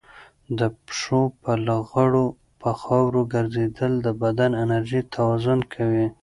د پښو په لغړو په خاورو ګرځېدل د بدن انرژي توازن کوي.